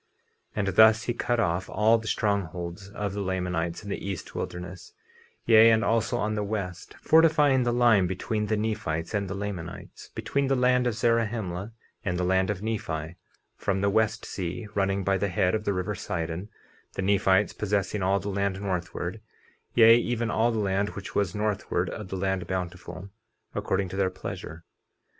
50:11 And thus he cut off all the strongholds of the Lamanites in the east wilderness, yea, and also on the west, fortifying the line between the Nephites and the Lamanites, between the land of Zarahemla and the land of Nephi, from the west sea, running by the head of the river Sidon—the Nephites possessing all the land northward, yea, even all the land which was northward of the land Bountiful, according to their pleasure.